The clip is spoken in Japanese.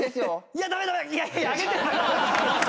いやダメダメいやいや上げてんだよ。